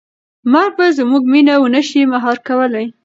مرګ به زموږ مینه ونه شي مهار کولی.